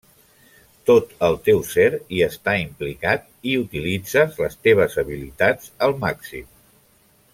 Tot el teu ser hi està implicat i utilitzes les teves habilitats al màxim.